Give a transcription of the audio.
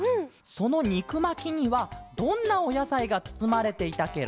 そのにくまきにはどんなおやさいがつつまれていたケロ？